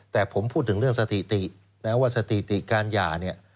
แต่ผมพูดถึงเรื่องสถิตินะว่าสถิติการหย่าเนี่ย